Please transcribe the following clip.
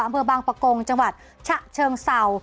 เมือบางปะโกงจังหวัดชะเชิงเสา